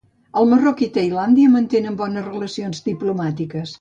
El Marroc i Tailàndia mantenen bones relacions diplomàtiques.